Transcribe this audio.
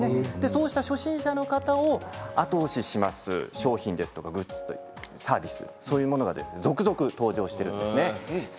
そうした初心者の方を後押しします商品ですとかグッズやサービスが続々登場しています。